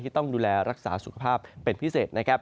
ต้องดูแลรักษาสุขภาพเป็นพิเศษนะครับ